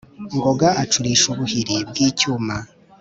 ngoga acurisha ubuhiri bw'icyuma,